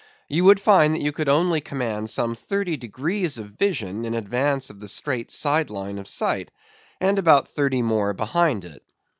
You would find that you could only command some thirty degrees of vision in advance of the straight side line of sight; and about thirty more behind it.